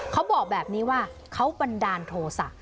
เขาบอกแบบนี้ว่าเขาบันดาลโทษะ